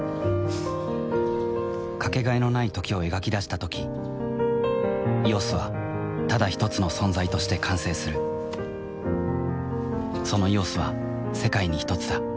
かけがえのない「時」を描き出したとき「ＥＯＳ」はただひとつの存在として完成するその「ＥＯＳ」は世界にひとつだ